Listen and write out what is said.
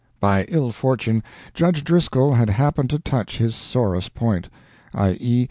By ill fortune judge Driscoll had happened to touch his sorest point, i.e.